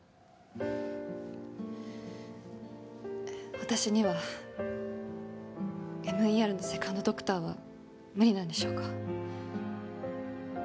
私にはＭＥＲのセカンドドクターは無理なんでしょうか